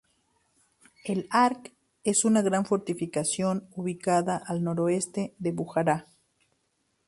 El Arq es una gran fortificación ubicada al noroeste de Bujará.